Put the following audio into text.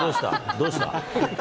どうした？